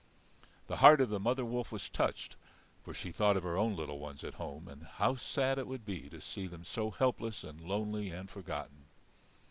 The heart of the mother wolf was touched, for she thought of her own little ones at home, and how sad it would be to see them so helpless and lonely and forgotten.